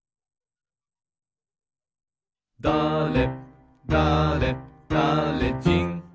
「だれだれだれじん」